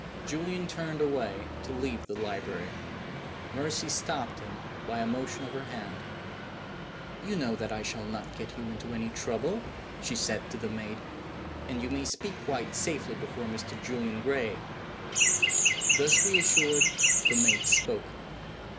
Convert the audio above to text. Julian turned away to leave the library. Mercy stopped him by a motion of her hand. "You know that I shall not get you into any trouble," she said to the maid. "And you may speak quite safely before Mr. Julian Gray." Thus re assured, the maid spoke.